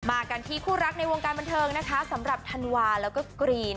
กันที่คู่รักในวงการบันเทิงนะคะสำหรับธันวาแล้วก็กรีน